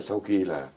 sau khi là